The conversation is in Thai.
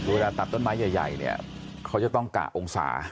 เวลาตัดต้นไม้ใหญ่เนี่ยเขาจะต้องกะองศา